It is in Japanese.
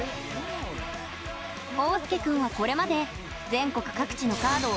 桜涼君はこれまで全国各地のカードを